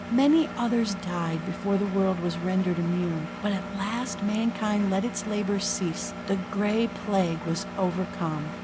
Many others died before the world was rendered immune, but at last mankind let its labors cease. The Gray Plague was overcome.